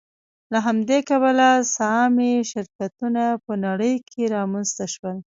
له همدې کبله سهامي شرکتونه په نړۍ کې رامنځته شول